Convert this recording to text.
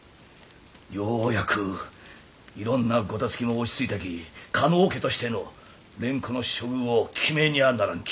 ようやくいろんなごたつきも落ち着いたき嘉納家としての蓮子の処遇を決めにゃあならんき。